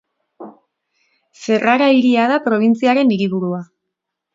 Ferrara hiria da probintziaren hiriburua.